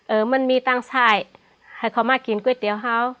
เออมันมีตั้งชายเขามากินก๋วยเตี๋ยวเฮ้า